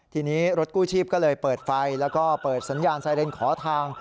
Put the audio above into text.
ทีนี้รถกู้ชีพก็เลยเปิดไฟแล้วก็เปิดสัญญาณไซเรนขอทาง